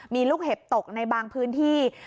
มีลูกเห็บตกในบางพื้นที่